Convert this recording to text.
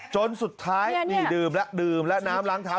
จนสุดท้ายดื่มและและน้ำล้างเท้า